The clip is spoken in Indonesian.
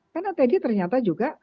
karena teddy ternyata juga